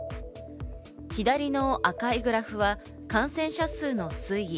左の赤いグラフは感染者数の推移。